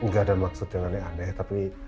gak ada maksud yang aneh aneh tapi